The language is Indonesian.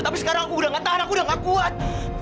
tapi sekarang aku udah nggak tahan aku udah nggak kuat